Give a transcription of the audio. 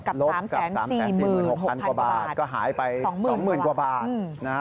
กับ๓๔๖๐๐๐กว่าบาทก็หายไป๒๐๐๐๐กว่าบาท